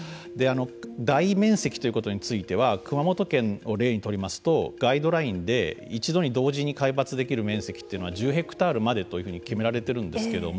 大面積ということについては熊本県を例に取りますとガイドラインで一度に同時に皆伐できる面積というのは１０ヘクタールまでと決められているんですけれども。